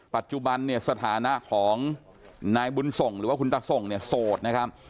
ปัจจุบันเนี่ยสถานะของนายบุญส่งหรือว่าคุณตาส่งเนี่ยโสดนะครับ